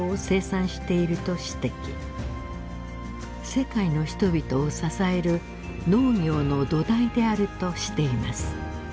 世界の人々を支える農業の土台であるとしています。